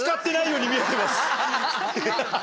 ハハハハ。